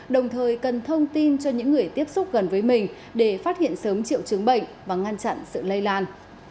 đồng thời cần thông tin cho những người tiếp xúc gần với mình để phát hiện sớm triệu chứng bệnh và ngăn chặn sự lây lan